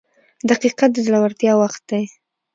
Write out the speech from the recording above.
• دقیقه د زړورتیا وخت دی.